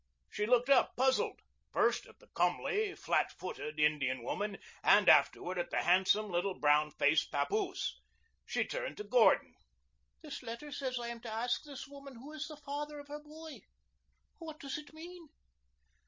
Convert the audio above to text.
She looked up, puzzled, first at the comely, flatfooted Indian woman and afterward at the handsome little brown faced papoose. She turned to Gordon. "This letter says I am to ask this woman who is the father of her boy. What does it mean?"